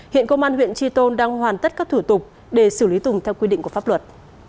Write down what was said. hiện công an huyện tri tôn đang hoàn tất các thủ tục để xử lý tùng theo quy định của pháp luật